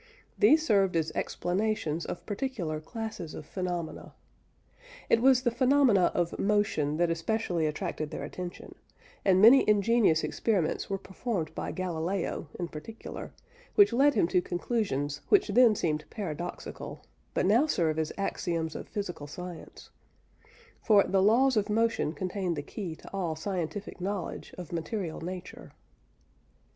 These served as "explanations" of particular classes of phenomena. It was the phenomena of motion that especially attracted their attention; and many ingenious experiments were performed by Galileo, in particular, which led him to conclusions which then seemed paradoxical, but now serve as axioms of physical science; for "the laws of motion contain the key to all scientific knowledge of material nature."